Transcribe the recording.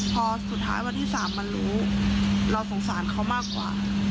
พอสุดท้ายวันที่๓มันรู้เราสงสารเขามากกว่า